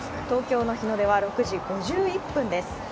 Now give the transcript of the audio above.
東京の日の出は６時５１分です。